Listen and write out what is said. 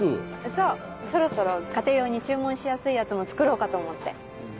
そうそろそろ家庭用に注文しやすいやつも作ろうかと思って。